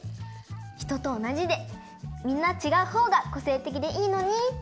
ひととおなじでみんなちがうほうがこせいてきでいいのにって。